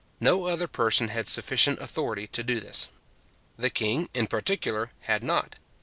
No other person had sufficient authority to do this. The king, in particular, had not.